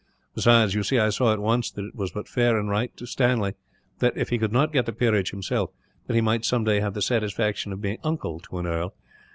"Besides, you see, I saw at once that it was but fair and right to Stanley that, if he could not get the peerage himself, he might some day have the satisfaction of being uncle to an earl.